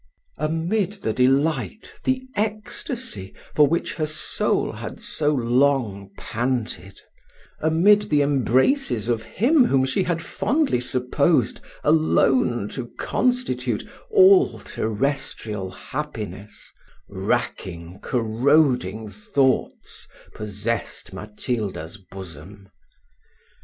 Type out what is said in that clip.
Amid the delight, the ecstasy, for which her soul had so long panted amid the embraces of him whom she had fondly supposed alone to constitute all terrestrial happiness, racking, corroding thoughts possessed Matilda's bosom.